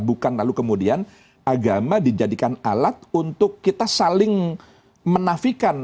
bukan lalu kemudian agama dijadikan alat untuk kita saling menafikan